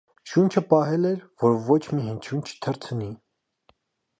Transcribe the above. Շունչը պահել էր, որ ոչ մի հնչյուն չթռցնի: